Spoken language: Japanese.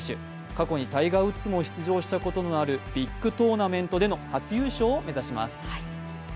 過去にタイガー・ウッズも出場したこともあるビッグトーナメントでの初優勝を目指します。